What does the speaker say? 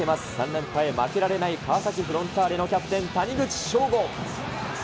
３連覇へ負けられない川崎フロンターレのキャプテン、谷口彰悟。